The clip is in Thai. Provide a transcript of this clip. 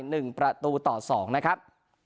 หนึ่งประตูต่อสองนะครับ